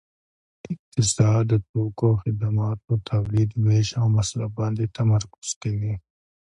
اقتصاد د توکو او خدماتو تولید ویش او مصرف باندې تمرکز کوي